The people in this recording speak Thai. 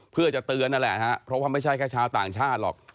เพื่อจะเตือนนั่นแหละฮะเพราะว่าไม่ใช่แค่ชาวต่างชาติหรอก